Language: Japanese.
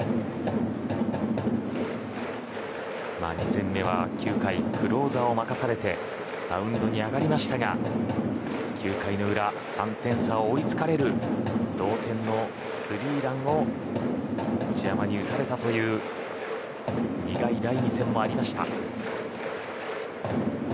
２戦目は９回クローザーを任されてマウンドに上がりましたが９回の裏、３点差を追いつかれる同点のスリーランを内山に打たれたという苦い第２戦もありました。